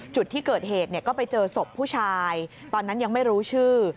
จุดที่เกิดเหตุก็ไปเจอศพผู้ชายตอนนั้นยังไม่รู้ชื่อ